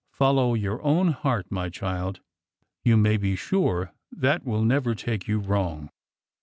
'' Follow your own heart, my child. You may be sure that will never take you wrong."